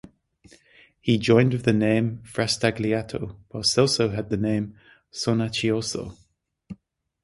He joined with the name "Frastagliato", while Celso had the name "Sonnacchioso".